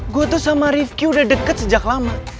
gue tuh sama rifki udah deket sejak lama